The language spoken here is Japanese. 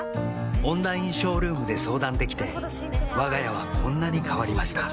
オンラインショールームで相談できてわが家はこんなに変わりました